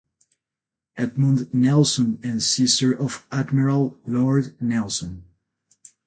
Edmund Nelson and sister of Admiral Lord Nelson.